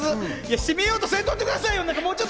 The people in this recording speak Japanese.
閉めようとせんとってくださいよ。